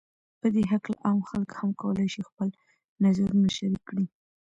په دې هکله عام خلک هم کولای شي خپل نظرونو شریک کړي